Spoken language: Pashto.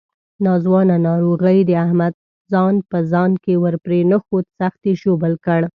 ناځوانه ناروغۍ د احمد ځان په ځان کې ورپرېنښود، سخت یې ژوبل کړ.